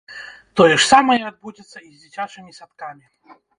Тое ж самае адбудзецца і з дзіцячымі садкамі.